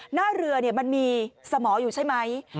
หน้าเรือมันมีสมออยู่ใช่ไหม